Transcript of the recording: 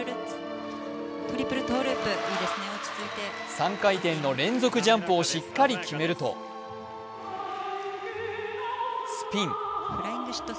３回転の連続ジャンプをしっかり決めるとスピン。